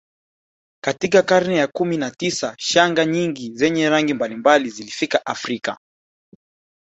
Katika karne ya kumi na tisa shanga nyingi zenye rangi mbalimbali zilifika Afrika